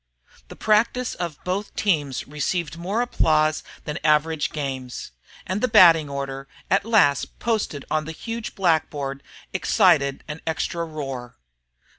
The practice of both teams received more applause than average games; and the batting order, at last posted on the huge black board, elicited an extra roar.